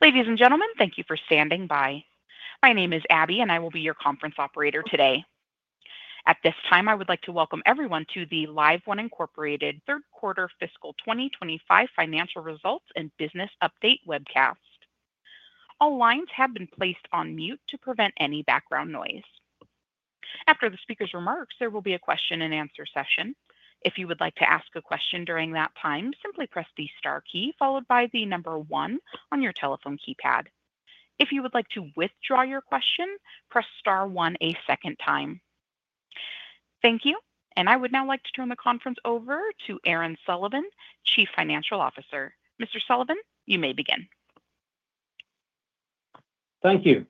Ladies and gentlemen, thank you for standing by. My name is Abby, and I will be your conference operator today. At this time, I would like to welcome everyone to the LiveOne Third Quarter Fiscal 2025 Financial Results and Business Update webcast. All lines have been placed on mute to prevent any background noise. After the speaker's remarks, there will be a question-and-answer session. If you would like to ask a question during that time, simply press the star key followed by the number one on your telephone keypad. If you would like to withdraw your question, press star one a second time. Thank you, and I would now like to turn the conference over to Aaron Sullivan, Chief Financial Officer. Mr. Sullivan, you may begin. Thank you.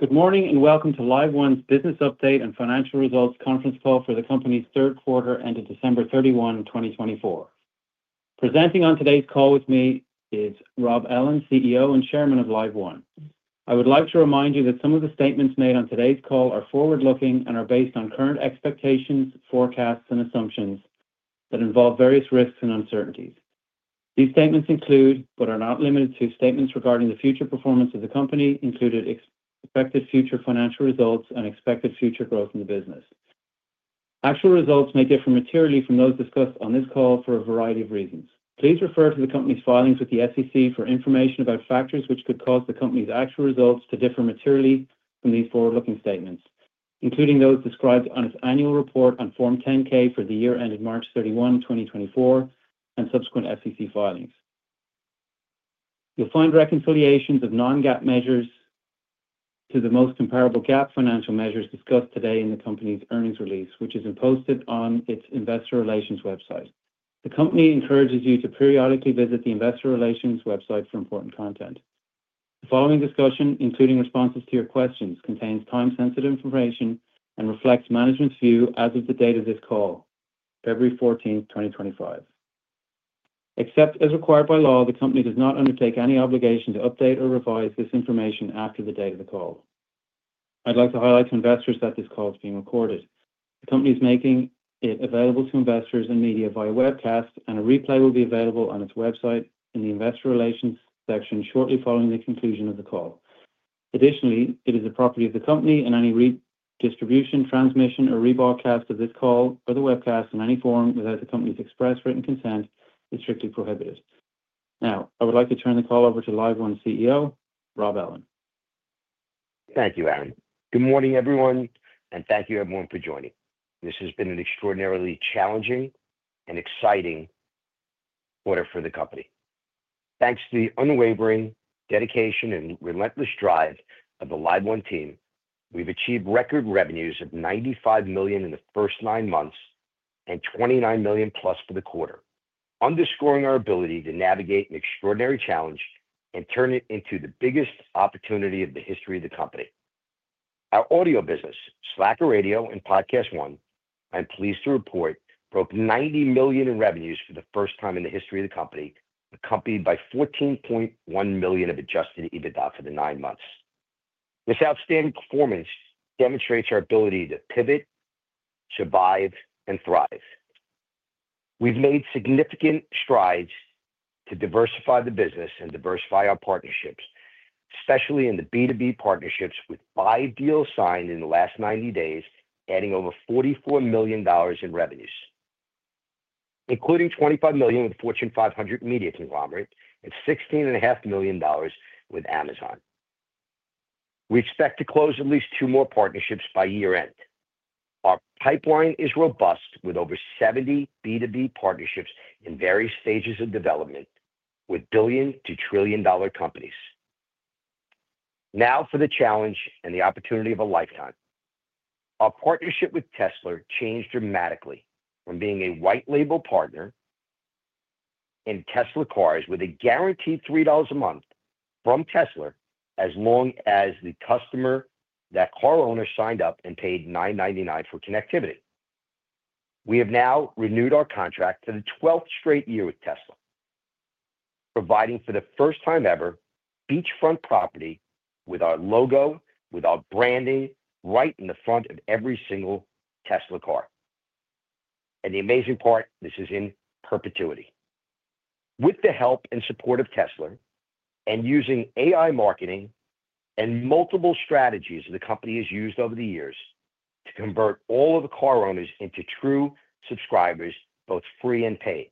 Good morning and welcome to LiveOne's Business Update and Financial Results conference call for the company's third quarter ended December 31, 2024. Presenting on today's call with me is Rob Ellin, CEO and Chairman of LiveOne. I would like to remind you that some of the statements made on today's call are forward-looking and are based on current expectations, forecasts, and assumptions that involve various risks and uncertainties. These statements include, but are not limited to, statements regarding the future performance of the company, including expected future financial results, and expected future growth in the business. Actual results may differ materially from those discussed on this call for a variety of reasons. Please refer to the company's filings with the SEC for information about factors which could cause the company's actual results to differ materially from these forward-looking statements, including those described on its annual report on Form 10-K for the year ended March 31, 2024, and subsequent SEC filings. You'll find reconciliations of non-GAAP measures to the most comparable GAAP financial measures discussed today in the company's earnings release, which is posted on its Investor Relations website. The company encourages you to periodically visit the Investor Relations website for important content. The following discussion, including responses to your questions, contains time-sensitive information and reflects management's view as of the date of this call, February 14, 2025. Except as required by law, the company does not undertake any obligation to update or revise this information after the date of the call. I'd like to highlight to investors that this call is being recorded. The company is making it available to investors and media via webcast, and a replay will be available on its website in the Investor Relations section shortly following the conclusion of the call. Additionally, it is the property of the company, and any redistribution, transmission, or rebroadcast of this call or the webcast in any form without the company's express written consent is strictly prohibited. Now, I would like to turn the call over to LiveOne CEO, Rob Ellin. Thank you, Aaron. Good morning, everyone, and thank you, everyone, for joining. This has been an extraordinarily challenging and exciting quarter for the company. Thanks to the unwavering dedication and relentless drive of the LiveOne team, we've achieved record revenues of $95 million in the first nine months and $29 million plus for the quarter, underscoring our ability to navigate an extraordinary challenge and turn it into the biggest opportunity of the history of the company. Our audio business, Slacker Radio and PodcastOne, I'm pleased to report, broke $90 million in revenues for the first time in the history of the company, accompanied by $14.1 million of adjusted EBITDA for the nine months. This outstanding performance demonstrates our ability to pivot, survive, and thrive. We've made significant strides to diversify the business and diversify our partnerships, especially in the B2B partnerships with five deals signed in the last 90 days, adding over $44 million in revenues, including $25 million with a Fortune 500 media conglomerate and $16.5 million with Amazon. We expect to close at least two more partnerships by year-end. Our pipeline is robust, with over 70 B2B partnerships in various stages of development, with billion-to-trillion-dollar companies. Now for the challenge and the opportunity of a lifetime. Our partnership with Tesla changed dramatically from being a white-label partner in Tesla cars with a guaranteed $3 a month from Tesla as long as the customer, that car owner, signed up and paid $9.99 for connectivity. We have now renewed our contract for the 12th straight year with Tesla, providing for the first time ever beachfront property with our logo, with our branding right in the front of every single Tesla car. The amazing part, this is in perpetuity. With the help and support of Tesla and using AI marketing and multiple strategies that the company has used over the years to convert all of the car owners into true subscribers, both free and paid,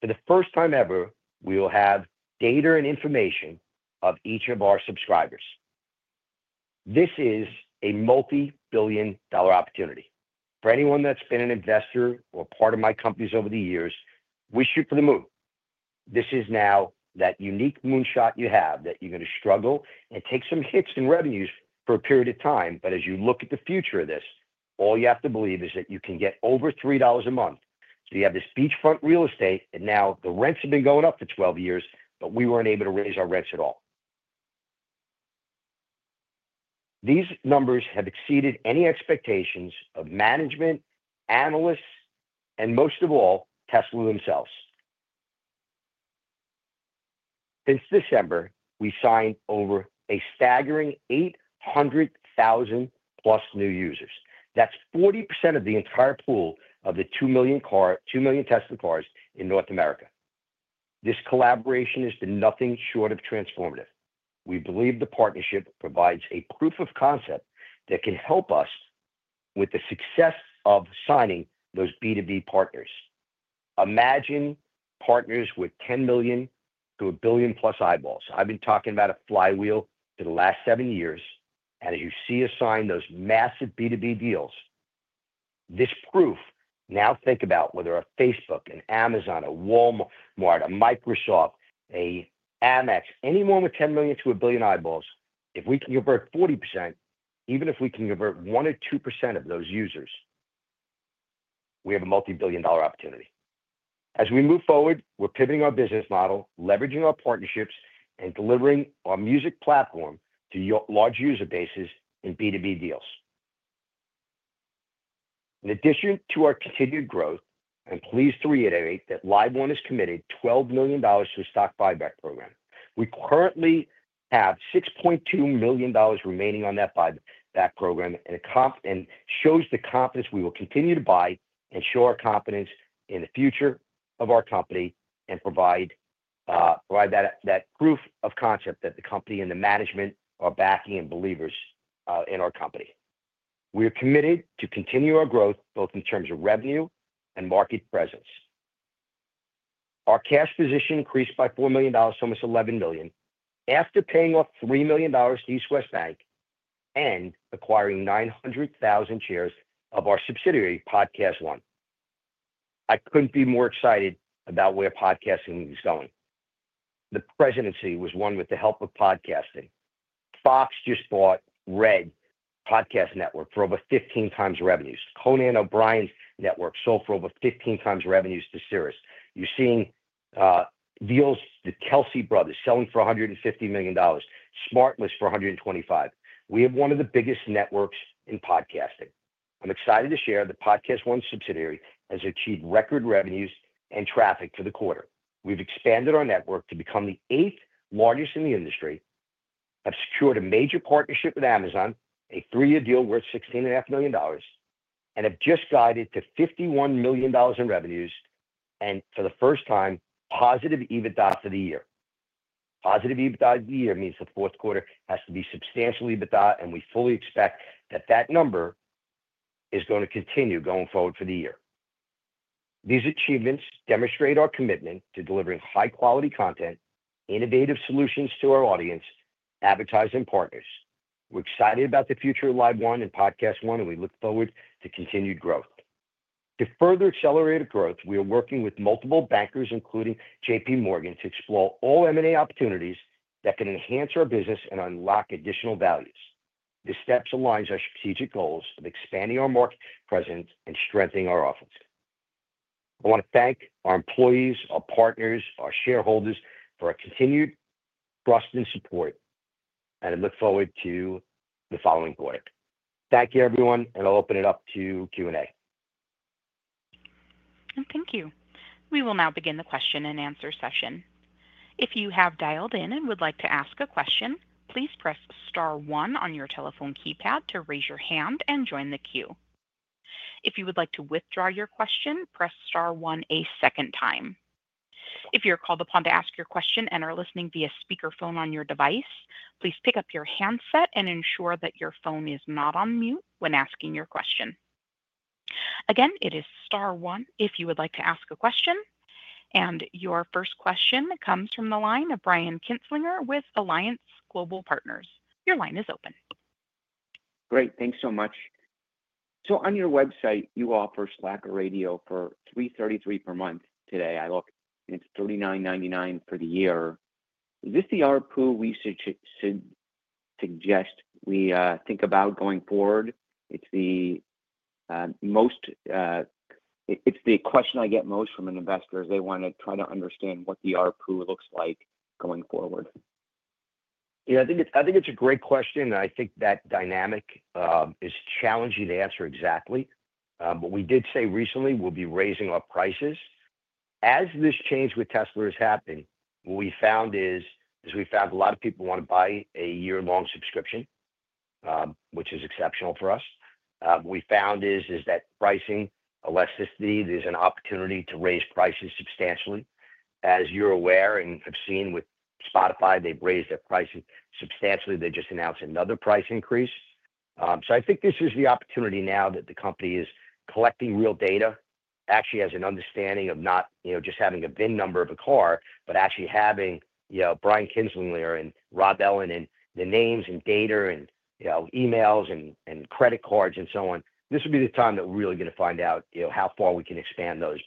for the first time ever, we will have data and information of each of our subscribers. This is a multi-billion-dollar opportunity. For anyone that's been an investor or part of my companies over the years, wish you for the moon. This is now that unique moonshot you have that you're going to struggle and take some hits in revenues for a period of time. As you look at the future of this, all you have to believe is that you can get over $3 a month. You have this beachfront real estate, and now the rents have been going up for 12 years, but we were not able to raise our rents at all. These numbers have exceeded any expectations of management, analysts, and most of all, Tesla themselves. Since December, we signed over a staggering 800,000-plus new users. That is 40% of the entire pool of the 2 million Tesla cars in North America. This collaboration is nothing short of transformative. We believe the partnership provides a proof of concept that can help us with the success of signing those B2B partners. Imagine partners with 10 million to a billion-plus eyeballs. I have been talking about a flywheel for the last seven years. As you see us sign those massive B2B deals, this is proof. Now think about whether a Facebook, an Amazon, a Walmart, a Microsoft, an Amex, anyone with 10 million to a billion eyeballs, if we can convert 40%, even if we can convert 1% or 2% of those users, we have a multi-billion-dollar opportunity. As we move forward, we're pivoting our business model, leveraging our partnerships, and delivering our music platform to large user bases in B2B deals. In addition to our continued growth, I'm pleased to reiterate that LiveOne is committed to $12 million to a stock buyback program. We currently have $6.2 million remaining on that buyback program and it shows the confidence we will continue to buy and show our confidence in the future of our company and provide that proof of concept that the company and the management are backing and believers in our company. We are committed to continue our growth both in terms of revenue and market presence. Our cash position increased by $4 million, so almost $11 million, after paying off $3 million to East West Bank and acquiring 900,000 shares of our subsidiary, PodcastOne. I couldn't be more excited about where podcasting is going. The presidency was won with the help of podcasting. Fox just bought Red Podcast Network for over 15 times revenues. Conan O'Brien's network sold for over 15 times revenues to SiriusXM. You're seeing deals with Kelsey Brothers selling for $150 million, SmartLess for $125 million. We have one of the biggest networks in podcasting. I'm excited to share the PodcastOne subsidiary has achieved record revenues and traffic for the quarter. We've expanded our network to become the eighth largest in the industry, have secured a major partnership with Amazon, a three-year deal worth $16.5 million, and have just guided to $51 million in revenues and for the first time positive EBITDA for the year. Positive EBITDA of the year means the fourth quarter has to be substantial EBITDA, and we fully expect that that number is going to continue going forward for the year. These achievements demonstrate our commitment to delivering high-quality content, innovative solutions to our audience, advertising partners. We're excited about the future of LiveOne and PodcastOne, and we look forward to continued growth. To further accelerate our growth, we are working with multiple bankers, including JP Morgan, to explore all M&A opportunities that can enhance our business and unlock additional values. The steps align with our strategic goals of expanding our market presence and strengthening our office. I want to thank our employees, our partners, our shareholders for our continued trust and support, and I look forward to the following quarter. Thank you, everyone, and I'll open it up to Q&A. Thank you. We will now begin the question-and-answer session. If you have dialed in and would like to ask a question, please press star one on your telephone keypad to raise your hand and join the queue. If you would like to withdraw your question, press star one a second time. If you're called upon to ask your question and are listening via speakerphone on your device, please pick up your handset and ensure that your phone is not on mute when asking your question. Again, it is star one if you would like to ask a question. Your first question comes from the line of Brian Kinstlinger with Alliance Global Partners. Your line is open. Great. Thanks so much. On your website, you offer Slacker Radio for $3.33 per month today. I look, it's $39.99 for the year. Is this the RPU we should suggest we think about going forward? It's the question I get most from investors. They want to try to understand what the RPU looks like going forward. Yeah, I think it's a great question. I think that dynamic is challenging to answer exactly. We did say recently we'll be raising our prices. As this change with Tesla is happening, what we found is, as we found, a lot of people want to buy a year-long subscription, which is exceptional for us. What we found is that pricing elasticity, there's an opportunity to raise prices substantially. As you're aware and have seen with Spotify, they've raised their prices substantially. They just announced another price increase. I think this is the opportunity now that the company is collecting real data, actually has an understanding of not just having a VIN number of a car, but actually having Brian Kinstlinger and Rob Ellin and the names and data and emails and credit cards and so on. This will be the time that we're really going to find out how far we can expand those.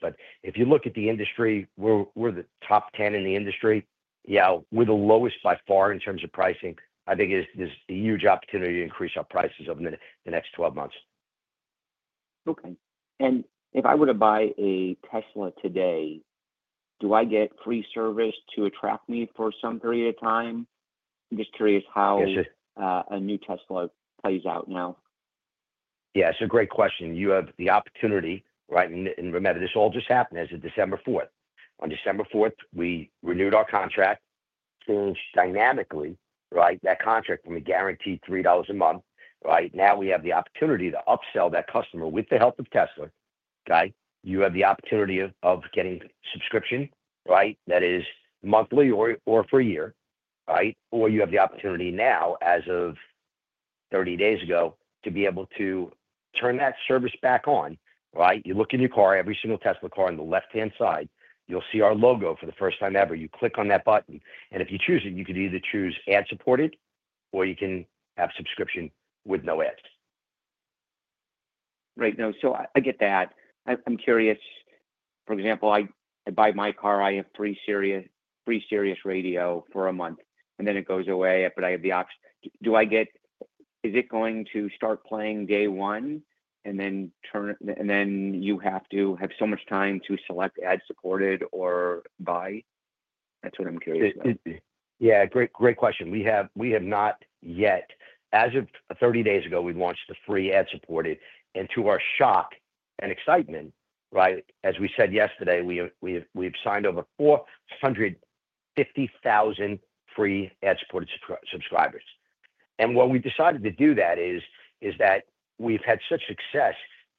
If you look at the industry, we're the top 10 in the industry. We're the lowest by far in terms of pricing. I think there's a huge opportunity to increase our prices over the next 12 months. Okay. If I were to buy a Tesla today, do I get free service to attract me for some period of time? I'm just curious how a new Tesla plays out now. Yeah, it's a great question. You have the opportunity, right? And remember, this all just happened as of December 4th. On December 4th, we renewed our contract. Experience dynamically, right? That contract when we guaranteed $3 a month, right? Now we have the opportunity to upsell that customer with the help of Tesla. You have the opportunity of getting subscription, right? That is monthly or for a year, right? Or you have the opportunity now, as of 30 days ago, to be able to turn that service back on, right? You look in your car, every single Tesla car on the left-hand side, you'll see our logo for the first time ever. You click on that button. If you choose it, you could either choose ad supported or you can have subscription with no ads. Right. No, I get that. I'm curious. For example, I buy my car, I have free Sirius radio for a month, and then it goes away, but I have the option. Do I get, is it going to start playing day one and then you have to have so much time to select ad supported or buy? That's what I'm curious about. Yeah, great question. We have not yet. As of 30 days ago, we launched the free ad supported. To our shock and excitement, right, as we said yesterday, we've signed over 450,000 free ad supported subscribers. What we decided to do is that we've had such success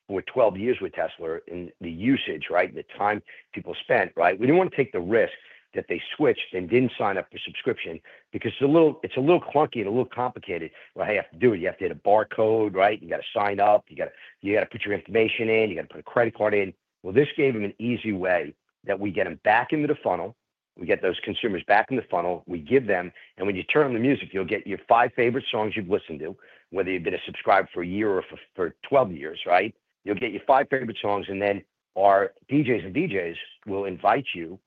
for 12 years with Tesla in the usage, right, and the time people spent, right? We did not want to take the risk that they switched and did not sign up for subscription because it is a little clunky and a little complicated. What I have to do, you have to hit a barcode, right? You have to sign up. You have to put your information in. You have to put a credit card in. This gave them an easy way that we get them back into the funnel. We get those consumers back in the funnel. We give them, and when you turn on the music, you'll get your five favorite songs you've listened to, whether you've been a subscriber for a year or for 12 years, right? You'll get your five favorite songs, and then our DJs and VJs will invite you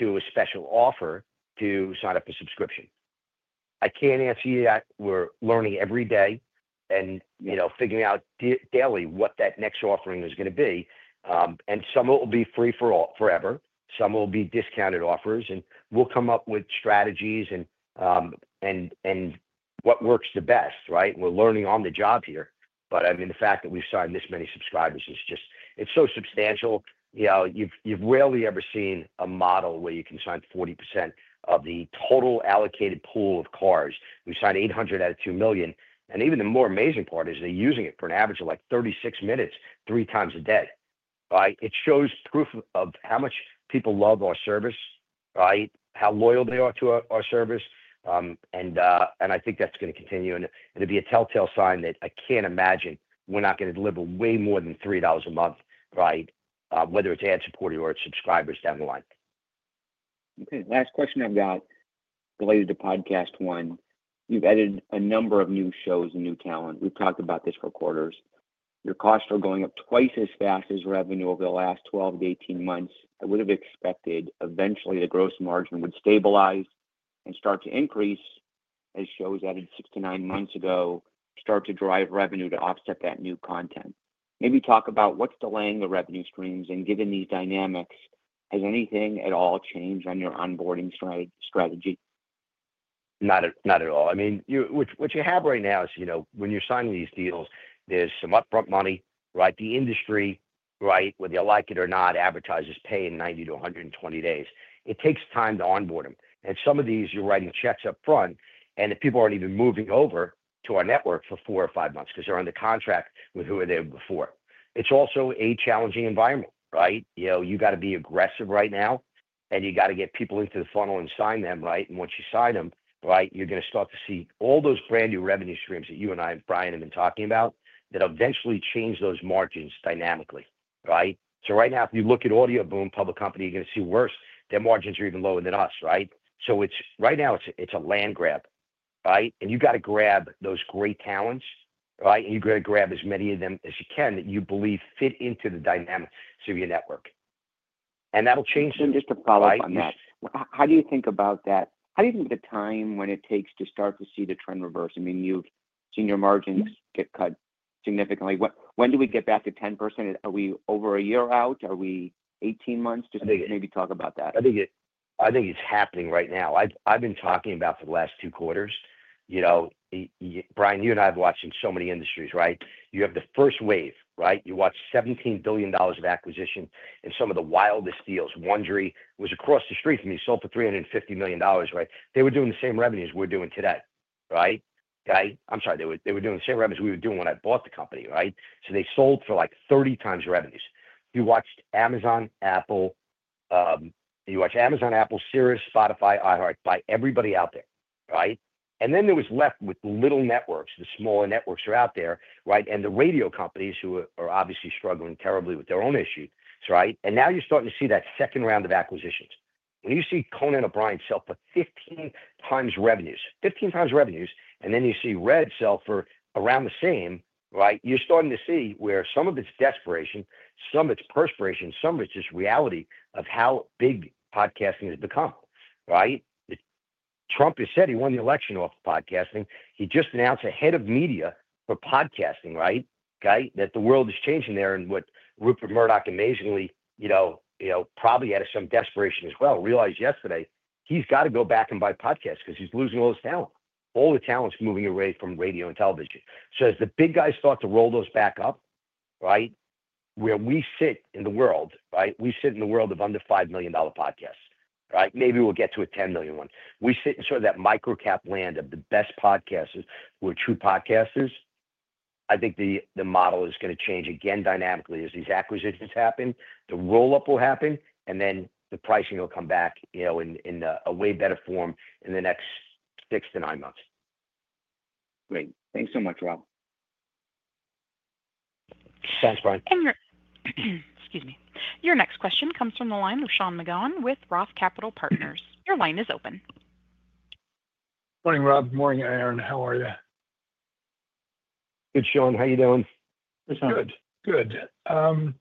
to a special offer to sign up for subscription. I can't answer you that. We're learning every day and figuring out daily what that next offering is going to be. Some of it will be free forever. Some will be discounted offers. We'll come up with strategies and what works the best, right? We're learning on the job here. I mean, the fact that we've signed this many subscribers is just, it's so substantial. You've rarely ever seen a model where you can sign 40% of the total allocated pool of cars. We signed 800 out of 2 million. Even the more amazing part is they're using it for an average of like 36 minutes three times a day. It shows proof of how much people love our service, right? How loyal they are to our service. I think that's going to continue. It'll be a telltale sign that I can't imagine we're not going to deliver way more than $3 a month, right? Whether it's ad supported or it's subscribers down the line. Okay. Last question I've got related to PodcastOne. You've added a number of new shows and new talent. We've talked about this for quarters. Your costs are going up twice as fast as revenue over the last 12 to 18 months. I would have expected eventually the gross margin would stabilize and start to increase as shows added six to nine months ago start to drive revenue to offset that new content. Maybe talk about what's delaying the revenue streams and given these dynamics, has anything at all changed on your onboarding strategy? Not at all. I mean, what you have right now is when you're signing these deals, there's some upfront money, right? The industry, right, whether you like it or not, advertisers pay in 90-120 days. It takes time to onboard them. Some of these, you're writing checks upfront, and people aren't even moving over to our network for four or five months because they're on the contract with whoever they were before. It's also a challenging environment, right? You got to be aggressive right now, and you got to get people into the funnel and sign them, right? Once you sign them, right, you're going to start to see all those brand new revenue streams that you and I and Brian have been talking about that eventually change those margins dynamically, right? Right now, if you look at AudioBoom, public company, you're going to see worse. Their margins are even lower than us, right? Right now, it's a land grab, right? You got to grab those great talents, right? You got to grab as many of them as you can that you believe fit into the dynamics of your network. That'll change the. Just to follow up on that, how do you think about that? How do you think the time when it takes to start to see the trend reverse? I mean, you've seen your margins get cut significantly. When do we get back to 10%? Are we over a year out? Are we 18 months? Just maybe talk about that. I think it's happening right now. I've been talking about for the last two quarters. Brian, you and I have watched in so many industries, right? You have the first wave, right? You watched $17 billion of acquisition and some of the wildest deals. Wondery, who was across the street from me, sold for $350 million, right? They were doing the same revenues we're doing today, right? I'm sorry, they were doing the same revenues we were doing when I bought the company, right? They sold for like 30 times revenues. You watched Amazon, Apple. You watched Amazon, Apple, Sirius, Spotify, iHeart. Buy everybody out there, right? There was left with little networks, the smaller networks are out there, right? The radio companies who are obviously struggling terribly with their own issues, right? Now you're starting to see that second round of acquisitions. When you see Conan O'Brien sell for 15 times revenues, 15 times revenues, and then you see Red sell for around the same, right? You're starting to see where some of it's desperation, some of it's perspiration, some of it's just reality of how big podcasting has become, right? Trump has said he won the election off podcasting. He just announced a head of media for podcasting, right? The world is changing there and what Rupert Murdoch amazingly probably had some desperation as well realized yesterday. He's got to go back and buy podcasts because he's losing all his talent. All the talent's moving away from radio and television. As the big guys start to roll those back up, right? Where we sit in the world, right? We sit in the world of under $5 million podcasts, right? Maybe we'll get to a $10 million one. We sit in sort of that microcap land of the best podcasters who are true podcasters. I think the model is going to change again dynamically as these acquisitions happen. The roll-up will happen, and then the pricing will come back in a way better form in the next six to nine months. Great. Thanks so much, Rob. Thanks, Brian. Excuse me. Your next question comes from the line of Sean McGowan with Roth Capital Partners. Your line is open. Morning, Rob. Morning, Aaron. How are you? Good, Sean. How are you doing? Good. Good. Good.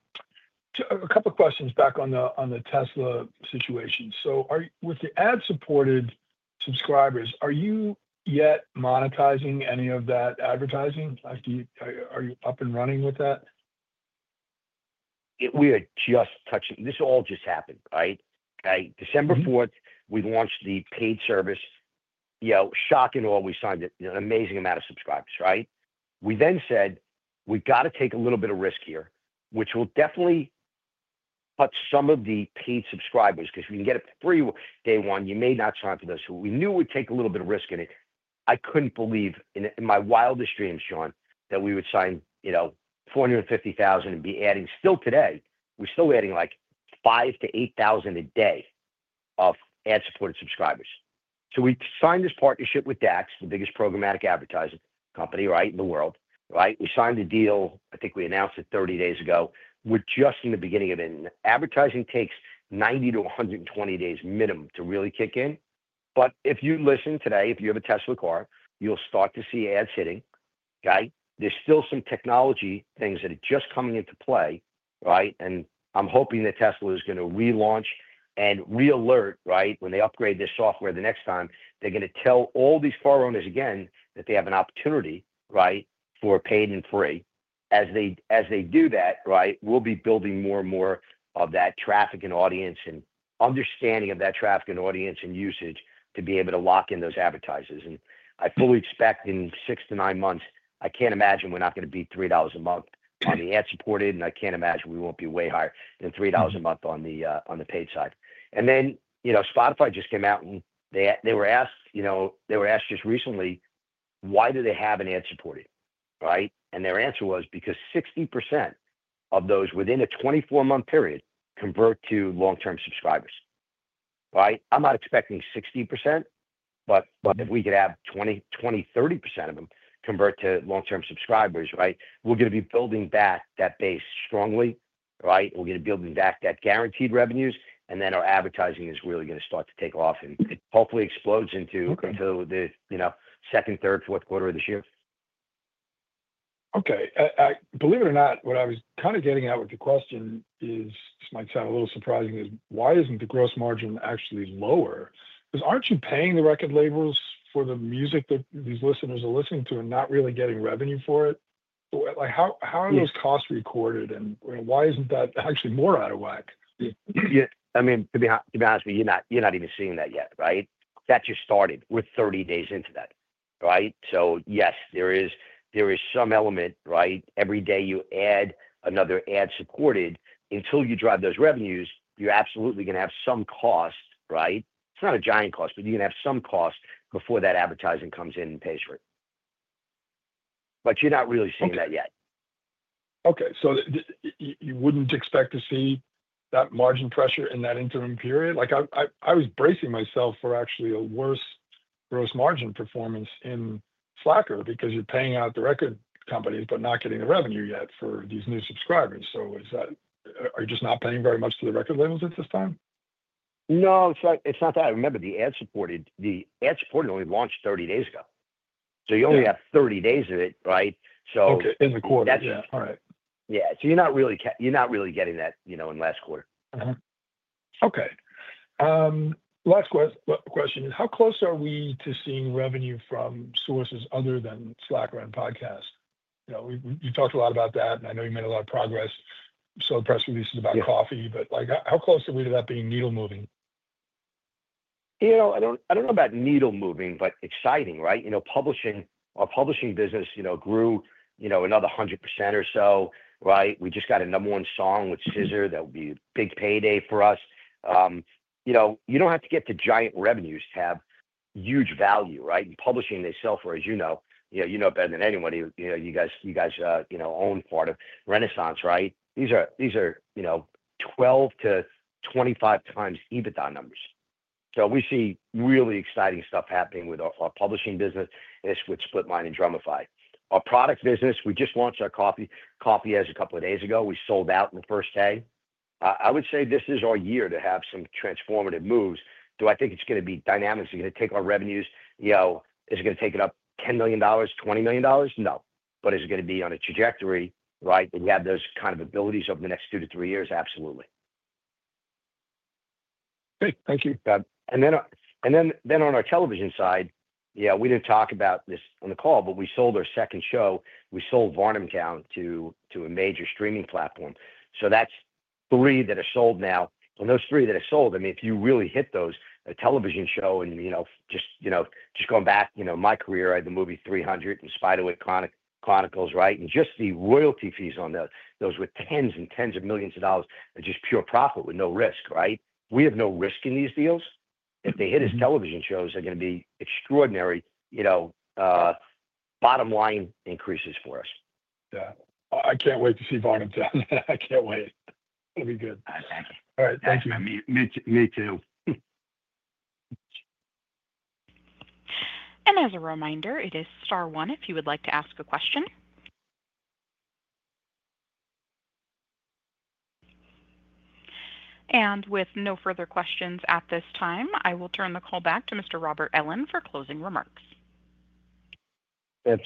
A couple of questions back on the Tesla situation. With the ad supported subscribers, are you yet monetizing any of that advertising? Are you up and running with that? We are just touching. This all just happened, right? December 4, we launched the paid service. Shock and awe, we signed an amazing amount of subscribers, right? We then said, "We've got to take a little bit of risk here," which will definitely put some of the paid subscribers because we can get it for free day one. You may not sign for this. We knew we'd take a little bit of risk in it. I couldn't believe in my wildest dreams, Sean, that we would sign 450,000 and be adding still today. We're still adding like 5,000-8,000 a day of ad supported subscribers. We signed this partnership with DAX, the biggest programmatic advertising company in the world, right? We signed the deal. I think we announced it 30 days ago. We're just in the beginning of it. Advertising takes 90-120 days minimum to really kick in. If you listen today, if you have a Tesla car, you'll start to see ads hitting, okay? There are still some technology things that are just coming into play, right? I'm hoping that Tesla is going to relaunch and re-alert, right? When they upgrade their software the next time, they're going to tell all these car owners again that they have an opportunity, right, for paid and free. As they do that, we'll be building more and more of that traffic and audience and understanding of that traffic and audience and usage to be able to lock in those advertisers. I fully expect in six to nine months, I can't imagine we're not going to be $3 a month on the ad supported, and I can't imagine we won't be way higher than $3 a month on the paid side. Spotify just came out, and they were asked just recently, "Why do they have an ad supported?" Right? Their answer was, "Because 60% of those within a 24-month period convert to long-term subscribers." Right? I'm not expecting 60%, but if we could have 20-30% of them convert to long-term subscribers, right? We're going to be building back that base strongly, right? We're going to be building back that guaranteed revenues, and then our advertising is really going to start to take off and hopefully explodes into the second, third, fourth quarter of this year. Okay. Believe it or not, what I was kind of getting at with the question is, this might sound a little surprising, is why isn't the gross margin actually lower? Because aren't you paying the record labels for the music that these listeners are listening to and not really getting revenue for it? How are those costs recorded, and why isn't that actually more out of whack? I mean, to be honest with you, you're not even seeing that yet, right? That just started. We're 30 days into that, right? Yes, there is some element, right? Every day you add another ad supported, until you drive those revenues, you're absolutely going to have some cost, right? It's not a giant cost, but you're going to have some cost before that advertising comes in and pays for it. You're not really seeing that yet. Okay. You would not expect to see that margin pressure in that interim period? I was bracing myself for actually a worse gross margin performance in Slacker because you are paying out the record companies but not getting the revenue yet for these new subscribers. Are you just not paying very much to the record labels at this time? No, it's not that I remember. The ad supported only launched 30 days ago. You only have 30 days of it, right? Okay. In the quarter. That's it. All right. Yeah. You're not really getting that in last quarter. Okay. Last question is, how close are we to seeing revenue from sources other than Slacker and podcasts? We've talked a lot about that, and I know you made a lot of progress. You sold press releases about coffee, but how close are we to that being needle-moving? I don't know about needle-moving, but exciting, right? Publishing business grew another 100% or so, right? We just got a number one song with Scissor. That would be a big payday for us. You don't have to get to giant revenues to have huge value, right? In publishing they sell for, as you know, you know better than anybody, you guys own part of Renaissance, right? These are 12-25 times EBITDA numbers. We see really exciting stuff happening with our publishing business. It's with Splitmind and Drumify. Our product business, we just launched our coffee a couple of days ago. We sold out on the first day. I would say this is our year to have some transformative moves. Do I think it's going to be dynamic? Is it going to take our revenues? Is it going to take it up $10 million, $20 million? No. Is it going to be on a trajectory, right, that we have those kind of abilities over the next two to three years? Absolutely. Great. Thank you. On our television side, yeah, we didn't talk about this on the call, but we sold our second show. We sold Varnumtown to a major streaming platform. That's three that are sold now. Those three that are sold, I mean, if you really hit those, a television show and just going back my career, I had the movie 300 and Spiderwick Chronicles, right? Just the royalty fees on those with tens and tens of millions of dollars are just pure profit with no risk, right? We have no risk in these deals. If they hit as television shows, they're going to be extraordinary bottom line increases for us. Yeah. I can't wait to see Varnumtown. I can't wait. That'll be good. Thank you. All right. Thank you. Me too. As a reminder, it is Star One if you would like to ask a question. With no further questions at this time, I will turn the call back to Mr. Rob Ellin for closing remarks. Thank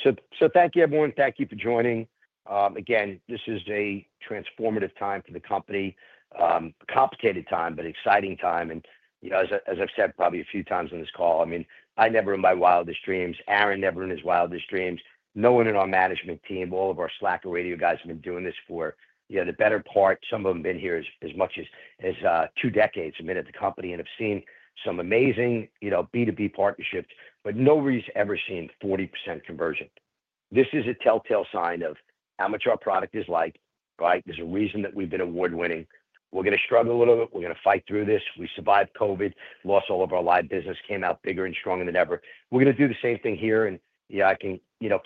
you, everyone. Thank you for joining. Again, this is a transformative time for the company. Complicated time, but exciting time. As I've said probably a few times on this call, I mean, I never in my wildest dreams. Aaron never in his wildest dreams. No one in our management team, all of our Slacker Radio guys have been doing this for the better part. Some of them have been here as much as two decades and been at the company and have seen some amazing B2B partnerships, but nobody's ever seen 40% conversion. This is a telltale sign of how much our product is like, right? There's a reason that we've been award-winning. We're going to struggle a little bit. We're going to fight through this. We survived COVID, lost all of our live business, came out bigger and stronger than ever. We're going to do the same thing here. I can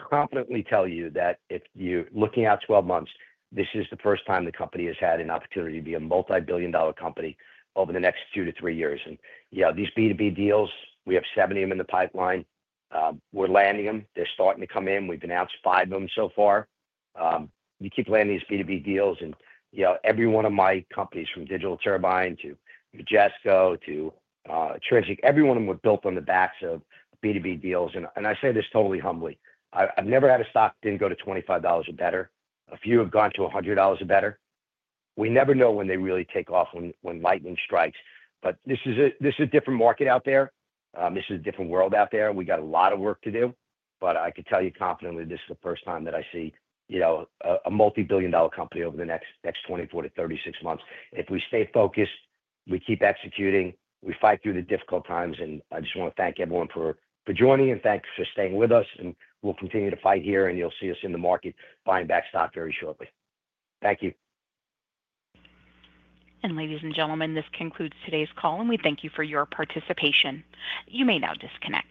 confidently tell you that if you're looking out 12 months, this is the first time the company has had an opportunity to be a multi-billion dollar company over the next two to three years. These B2B deals, we have 70 of them in the pipeline. We're landing them. They're starting to come in. We've announced five of them so far. You keep landing these B2B deals. Every one of my companies, from Digital Turbine to Majesco to Trinity, every one of them were built on the backs of B2B deals. I say this totally humbly. I've never had a stock that didn't go to $25 or better. A few have gone to $100 or better. We never know when they really take off, when lightning strikes. This is a different market out there. This is a different world out there. We got a lot of work to do. I can tell you confidently this is the first time that I see a multi-billion dollar company over the next 24-36 months. If we stay focused, we keep executing, we fight through the difficult times, I just want to thank everyone for joining and thanks for staying with us. We will continue to fight here, and you will see us in the market buying back stock very shortly. Thank you. Ladies and gentlemen, this concludes today's call, and we thank you for your participation. You may now disconnect.